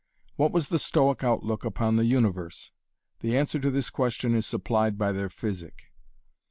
What was the Stoic outlook upon the universe? The answer to this question is supplied by their Physic.